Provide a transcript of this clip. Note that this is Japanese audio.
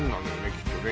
きっとね